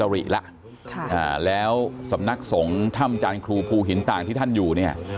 มันอุดอุตรีแล้วแล้วสำนักทรงทำจานครูภูหินต่างที่ท่านอยู่